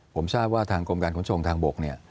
ผมทราบว่าทางกรมการขนส่งทางบกเนี่ย